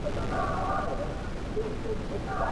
داسې غاړه غړۍ کوي چې